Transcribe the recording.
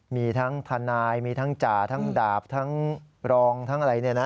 มีทั้งทนายมีทั้งจ่าทั้งดาบทั้งรองทั้งอะไรเนี่ยนะ